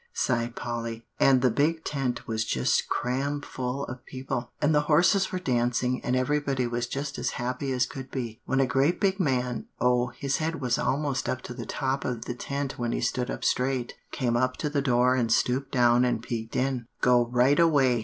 sighed Polly; "and the big tent was just crammed full of people, and the horses were dancing, and everybody was just as happy as could be, when a great big man, oh, his head was almost up to the top of the tent when he stood up straight, came up to the door and stooped down and peeked in. "'Go right away!